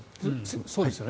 そうですよね？